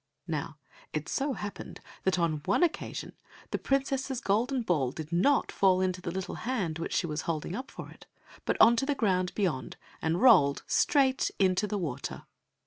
Now it so happened that on one occasion the princess's golden ball did not fall into the little hand which she was holding up for it, but on to the ground beyond, and rolled straight into the water.